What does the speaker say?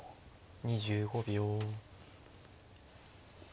２５秒。